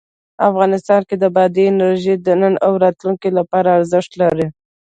افغانستان کې بادي انرژي د نن او راتلونکي لپاره ارزښت لري.